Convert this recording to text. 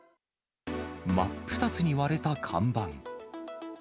真っ二つに割れた看板。